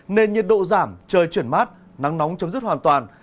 nên nhiệt độ giảm trời chuyển mát nắng nóng chấm dứt hoàn toàn